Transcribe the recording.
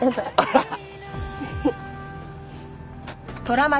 ハハハッ！